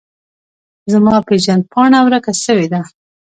زما پیژند پاڼه ورکه سویده